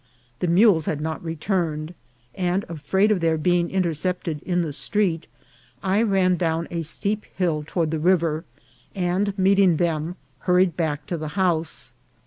75 The mules had not returned, and, afraid of their being intercepted in the street, I ran down a steep hill toward the river, and meeting them, hurried back to the house.